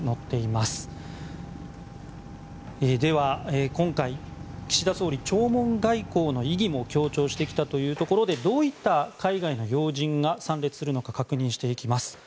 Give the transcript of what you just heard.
では、今回、岸田総理弔問外交の意義も強調してきたというところでどういった海外の要人が参列するのか確認していきます。